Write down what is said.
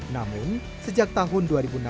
namun sejak tahun dua ribu enam belas